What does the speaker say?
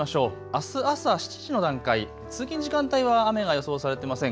あす朝７時の段階、通勤時間帯は雨が予想されていません。